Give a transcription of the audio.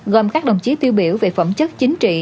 gồm các đồng chí tiêu biểu về phẩm chất chính trị